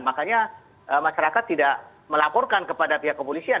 makanya masyarakat tidak melaporkan kepada pihak kepolisian